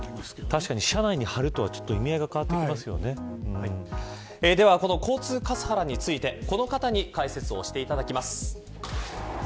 確かに車内に貼るのとはちょっと意味合いが交通カスハラについてこの方に解説をしていただきます。